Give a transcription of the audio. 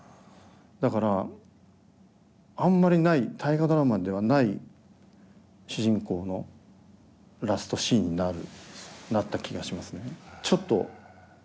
だからあんまりない「大河ドラマ」ではない主人公のラストシーンになるなった気がしますね。